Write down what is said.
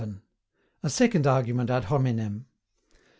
A SECOND ARGUMENT AD HOMINEM.